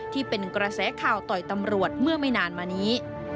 ที่เป็นกระแสข่าวต่อยตำรวจเมื่อไม่นานมานี้